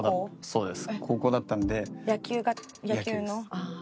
そうです。